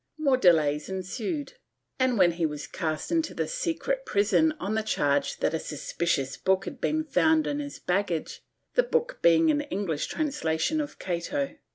More delays ensued and then he was cast into the secret prison on the charge that a suspicious book had been found in his baggage — the book being an English translation of Cato.